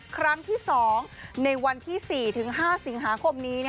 ครั้งที่๒ในวันที่๔๕สิงหาคมนี้